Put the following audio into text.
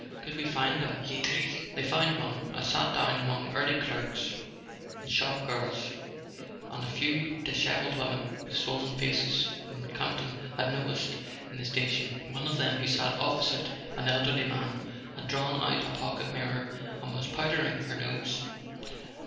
Could we find a laiterie f " They found one, and sat down among early clerks and shop girls, and a few dishevelled women with swollen faces whom Campton had noticed in the sta¬ tion. One of them, who sat opposite an elderly man, had drawn out a pocket mirror and was powdering her nose.